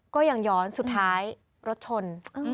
ก็ยังย้อนสุดท้ายรถชน